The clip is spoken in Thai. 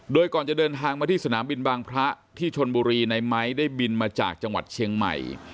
โดยก่อนจะเดินทางมาที่สนามบินบางพระที่ชนบุรีในไม้ได้บินมาจากจังหวัดเชียงใหม่